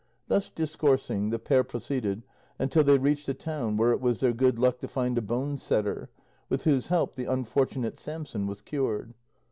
Thus discoursing, the pair proceeded until they reached a town where it was their good luck to find a bone setter, with whose help the unfortunate Samson was cured.